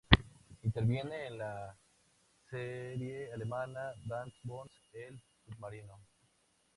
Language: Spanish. Interviene en la serie alemana "Das Boot: El submarino".